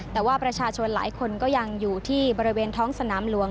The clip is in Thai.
แต่ว่าประชาชนหลายคนก็ยังอยู่ที่บริเวณท้องสนามหลวง